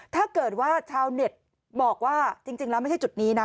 ถ้าเกิดว่าชาวเน็ตบอกว่าจริงแล้วไม่ใช่จุดนี้นะ